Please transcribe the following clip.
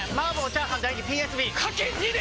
チャーハン大にＰＳＢ！×２で！